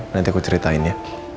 nanti aku ceritain ya